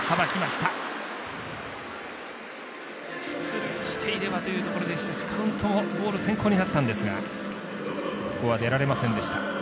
出塁していればというところでしたがカウントもボール先行になったんですがここは出られませんでした。